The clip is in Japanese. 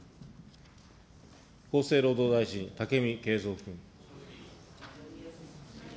厚生労働大臣、武見敬三君。